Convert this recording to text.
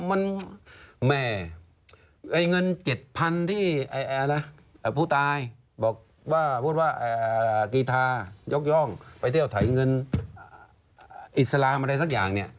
มันแม่เงิน๗๐๐๐ที่ผู้ตายบอกว่าพูดว่ากีทายกย่องไปเที่ยวถอยเงินอิสลามอะไรสักอย่างเนี่ย